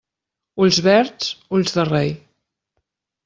Ulls verds, ulls de rei.